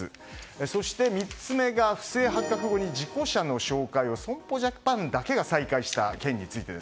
そして３つ目が不正発覚後に事故車の紹介を損保ジャパンだけが再開した件です。